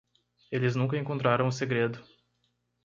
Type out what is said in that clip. Eles nunca encontraram o segredo.